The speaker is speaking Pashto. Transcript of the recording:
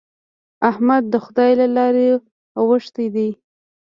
احمد د خدای له لارې اوښتی دی.